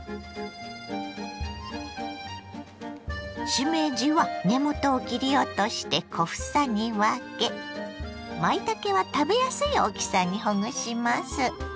しめじは根元を切り落として小房に分けまいたけは食べやすい大きさにほぐします。